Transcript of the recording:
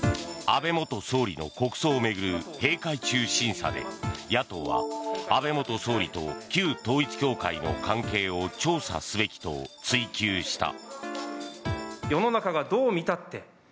安倍元総理の国葬を巡る閉会中審査で野党は安倍元総理と旧統一教会の関係を調査すべきと追及した。